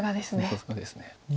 さすがです。